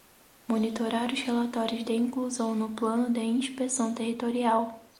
Monitorar os relatórios de inclusão no Plano de Inspeção Territorial.